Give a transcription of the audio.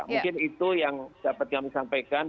mungkin itu yang dapat kami sampaikan